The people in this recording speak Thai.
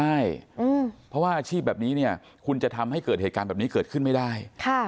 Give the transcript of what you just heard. ใช่เพราะว่าอาชีพแบบนี้เนี่ยคุณจะทำให้เกิดเหตุการณ์แบบนี้เกิดขึ้นไม่ได้